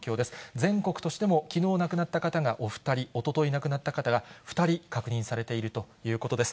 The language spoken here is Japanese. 全国としても、きのう亡くなった方がお２人、おととい亡くなった方が２人確認されているということです。